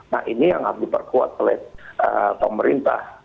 nah ini yang harus diperkuat oleh pemerintah